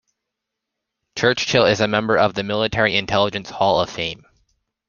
Churchill is a member of the Military Intelligence Hall of Fame.